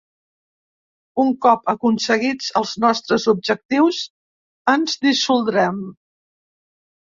Un cop aconseguits els nostres objectius, ens dissoldrem.